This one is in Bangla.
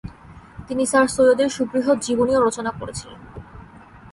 তিনি স্যার সৈয়দের সুবৃহৎ জীবনীও রচনা করেছিলেন।